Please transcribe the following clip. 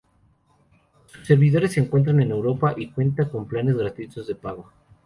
Sus servidores se encuentran en Europa, y cuenta con planes gratuitos y de pago.